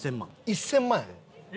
１０００万やで。